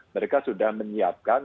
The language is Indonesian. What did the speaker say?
mereka sudah menyiapkan